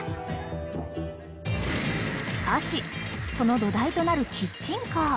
［しかしその土台となるキッチンカー］